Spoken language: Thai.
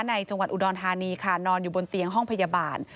จังหวัดอุดรธานีค่ะนอนอยู่บนเตียงห้องพยาบาล